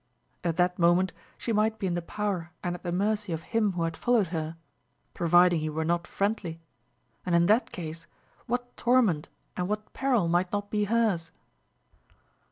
At that moment she might be in the power and at the mercy of him who had followed her; providing he were not friendly. And in that case, what torment and what peril might not be hers?